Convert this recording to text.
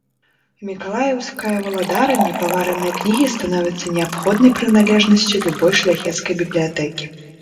У мікалаеўскія валадаранне павараныя кнігі становяцца неабходнай прыналежнасцю любой шляхецкай бібліятэкі.